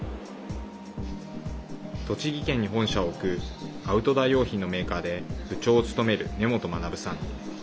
栃木県に本社を置くアウトドア用品のメーカーで部長を務める根本学さん。